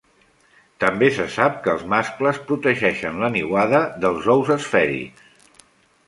També se sap que els mascles protegeixen la niuada dels ous esfèrics.